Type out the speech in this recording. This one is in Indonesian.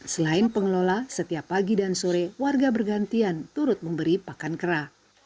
selain pengelola setiap pagi dan sore warga bergantian turut memberi pakan kera